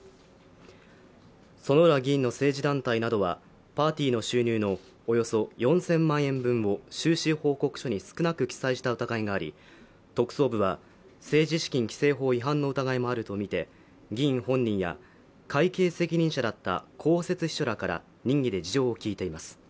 薗浦の政治団体などはパーティーの収入のおよそ４０００万円分を収支報告書に少なく記載した疑いがあり特捜部は政治資金規正法違反の疑いもあるとみて議員本人や会計責任者だった公設秘書らから任意で事情を聞いています